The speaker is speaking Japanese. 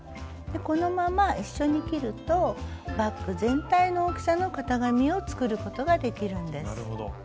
このまま一緒に切るとバッグ全体の大きさの型紙を作ることができるんです。